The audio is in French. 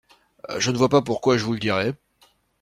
Je ne vois pas pourquoi je vous le dirais.